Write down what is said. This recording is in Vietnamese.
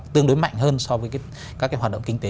tương đối mạnh hơn so với các hoạt động kinh tế